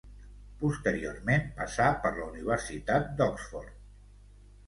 Posteriorment passà per la Universitat d'Oxford.